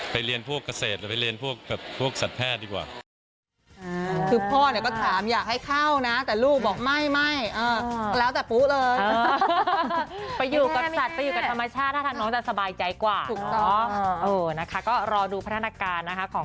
เรียนพวกเกษตรหรือไปเรียนพวกสัตว์แพทย์ดีกว่า